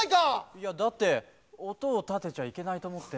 いやだっておとをたてちゃいけないとおもって。